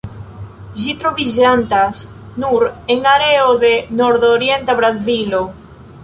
Ĝi troviĝantas nur en areo de nordorienta Brazilo.